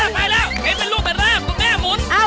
ได้แหละครับคุณแจ